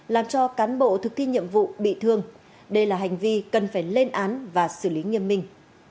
làm cho cán bộ thực thi nhiệm vụ bị thương đây là hành vi cần phải lên án và xử lý nghiêm minh